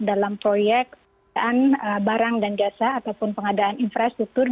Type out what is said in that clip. dalam proyek pengadaan barang dan jasa ataupun pengadaan infrastruktur